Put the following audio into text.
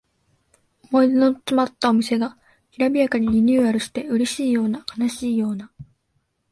思い出のつまったお店がきらびやかにリニューアルしてうれしいような悲しいような